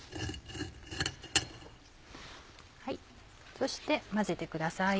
そして混ぜてください。